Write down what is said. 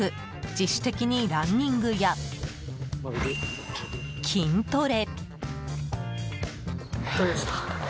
自主的にランニングや筋トレ。